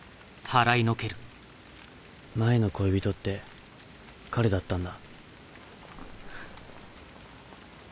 前の恋人って彼だったんだ。